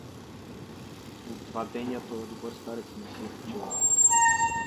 От два деня тоя добър старец не си е почивал.